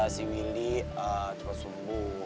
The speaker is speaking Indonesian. semoga si willy cepat sembuh